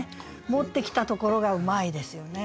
持ってきたところがうまいですよね。